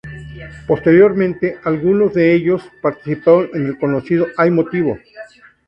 Posteriormente, algunos de ellos participaron en el conocido ¡Hay motivo!.